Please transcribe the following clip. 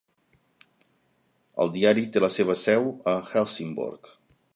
El diari té la seva seu a Helsingborg.